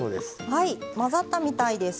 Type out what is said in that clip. はい混ざったみたいです。